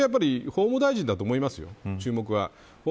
私はやっぱり、法務大臣だと思いますよ、注目は。